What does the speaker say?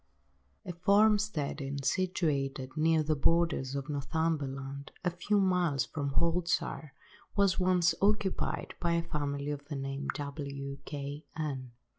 A farm–steading situated near the borders of Northumberland, a few miles from Haltwhistle, was once occupied by a family of the name of W—— K—— n.